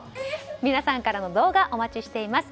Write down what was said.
皆さんからの動画お待ちしています。